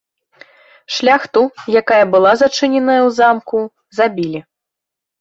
Шляхту, якая была зачыненая ў замку, забілі.